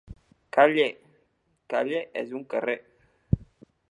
Calle! / —Calle és un carrer.